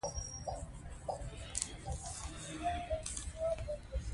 که ماشوم ستونزه لري، د مسلکي مرسته غوښتنه وکړئ.